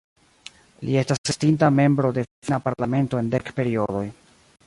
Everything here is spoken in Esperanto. Li estas estinta membro de finna parlamento en dek periodoj.